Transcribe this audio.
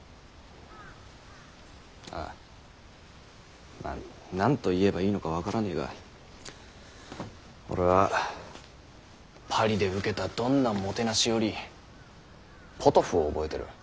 あまぁ何と言えばいいのか分からねぇが俺はパリで受けたどんなもてなしよりポトフを覚えてる。